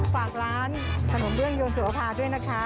ฝากร้านขนมเบื้องยนสุวภาด้วยนะคะ